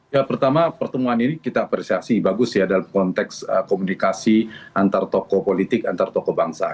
ya pertama pertemuan ini kita apresiasi bagus ya dalam konteks komunikasi antar tokoh politik antar tokoh bangsa